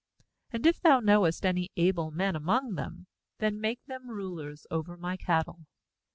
And if thou knowest any able men among them, then make them rulers over my cattle.'